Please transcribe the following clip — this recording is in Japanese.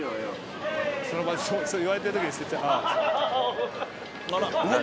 それ言われてる時に捨てちゃう。